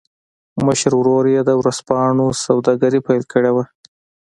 مشر ورور يې د ورځپاڼو سوداګري پیل کړې وه